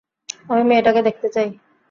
আমি মেয়েটাকে দেখতে চাই।